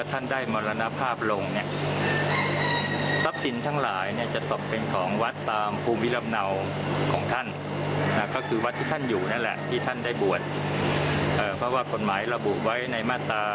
แต่ไม่ชัดเว้นแสดงทางพินายกรรม